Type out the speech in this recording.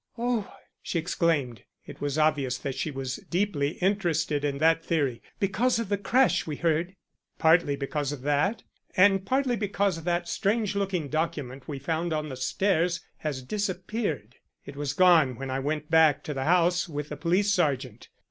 "Oh!" she exclaimed. It was obvious that she was deeply interested in that theory. "Because of the crash we heard?" "Partly because of that, and partly because that strange looking document we found on the stairs has disappeared. It was gone when I went back to the house with the police sergeant.